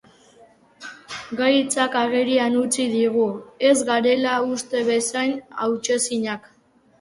Gaitzak agerian utzi digu ez garela uste bezain hautsezinak.